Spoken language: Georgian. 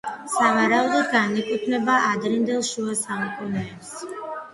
სავარაუდოდ განეკუთვნება ადრინდელ შუა საუკუნეებს.